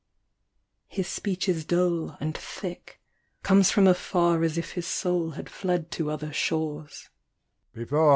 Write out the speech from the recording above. His speech is dull and thick, comes from afar As if his soul had fled to other shores.